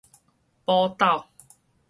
寶斗